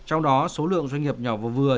trong đó số lượng doanh nghiệp nhỏ và vừa